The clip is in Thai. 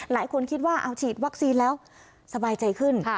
หลายคนคิดว่าเอาฉีดวัคซีนแล้วสบายใจขึ้น